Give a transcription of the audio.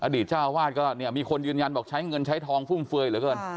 เจ้าวาดก็เนี่ยมีคนยืนยันบอกใช้เงินใช้ทองฟุ่มเฟือยเหลือเกิน